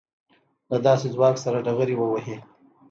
له داسې ځواک سره ډغرې ووهي.